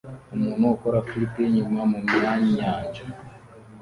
Umuntu ukora flip yinyuma mumyanyanja